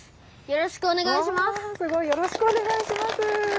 よろしくお願いします。